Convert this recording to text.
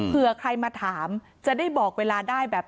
เผื่อใครมาถามจะได้บอกเวลาได้แบบ